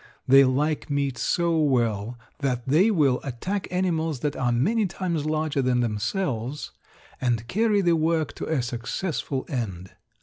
They like meat so well that they will attack animals that are many times larger than themselves and carry the work to a successful end.